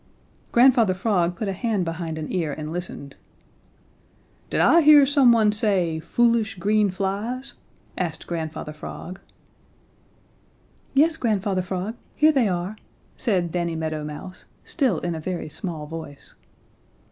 Grandfather Frog put a hand behind an ear and listened. "Did I hear someone say 'foolish, green flies?'" asked Grandfather Frog. "Yes, Grandfather Frog, here they are," said Danny Meadow Mouse, still in a very small voice.